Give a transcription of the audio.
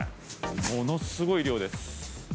ものすごい量です。